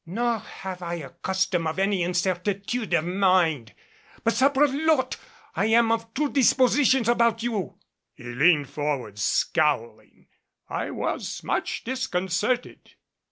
"Nor have I a custom of any incertitude of mind. But Saprelotte! I am of two dispositions about you!" He leaned forward scowling and I was much disconcerted.